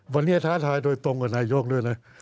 วันนี้ท้าทายโดยตรงกับนายกด้วยนะ